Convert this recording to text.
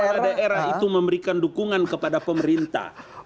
kepala daerah itu memberikan dukungan kepada pemerintah kepada presiden atas kinerja yang selalu